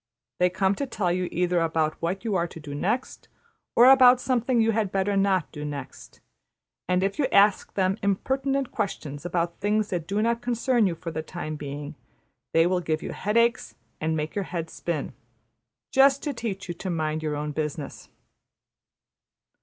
They come to tell you either about what you are to do next, or about something you had better not do next; and if you ask them impertinent questions about things that do not concern you for the time being, they will give you headaches and make your head spin: just to teach you to mind your own business.